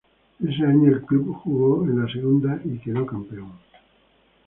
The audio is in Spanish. Ese año el club jugó en la segunda y quedó campeón.